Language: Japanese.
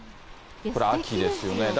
これ、秋ですよね。